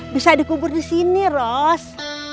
bisa dikubur di sini ros